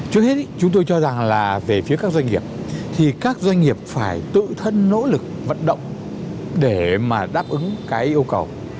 trước hết chúng tôi cho rằng là về phía các doanh nghiệp thì các doanh nghiệp phải tự thân nỗ lực vận động để mà đáp ứng cái yêu cầu